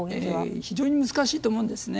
非常に難しいと思うんですね。